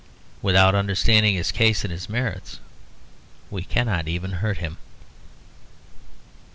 Without understanding his case and his merits, we cannot even hurt him.